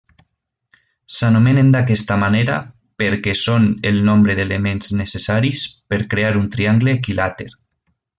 S'anomenen d'aquesta manera perquè són el nombre d'elements necessaris per crear un triangle equilàter.